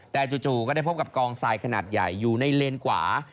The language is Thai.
แต่จู่ก็ได้พบกับกองทรายขนาดใหญ่อยู่ในเลนขวา